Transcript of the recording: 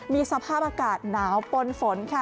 มีสภาพอากาศหนาวปนฝนค่ะ